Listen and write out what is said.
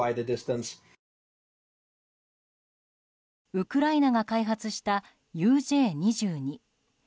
ウクライナが開発したＵＪ２２。